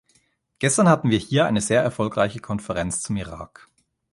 Gestern hatten wir hier eine sehr erfolgreiche Konferenz zum Irak.